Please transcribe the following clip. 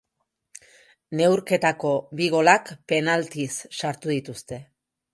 Neurketako bi golak penatiz sartu dituzte.